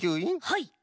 はい。